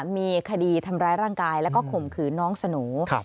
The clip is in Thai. มีคดีทำร้ายร่างกายแล้วก็ข่มขืนน้องสโน